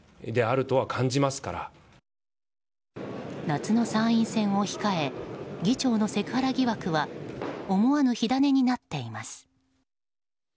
夏の参院選を控え議長のセクハラ疑惑は思わぬ火種になっています。